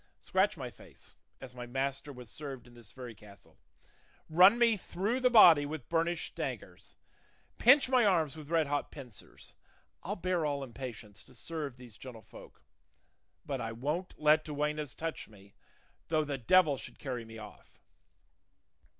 Scratch my face, as my master was served in this very castle; run me through the body with burnished daggers; pinch my arms with red hot pincers; I'll bear all in patience to serve these gentlefolk; but I won't let duennas touch me, though the devil should carry me off!"